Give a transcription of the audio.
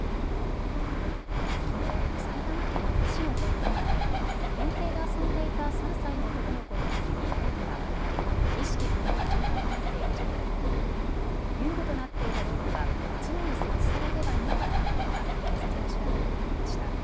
きのう埼玉県久喜市の保育園で園庭で遊んでいた３歳の男の子の首にロープが絡まり意識不明の重体となっている事故で遊具となっていたロープは常に設置されてはいなかったことが警察の調べで分かりました。